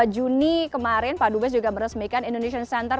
dua juni kemarin pak dubes juga meresmikan indonesian center